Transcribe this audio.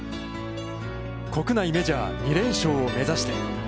国内メジャー２連勝を目指して。